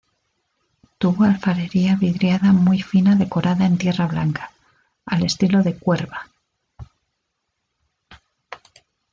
Tuvo alfarería vidriada muy fina decorada en tierra blanca, al estilo de Cuerva.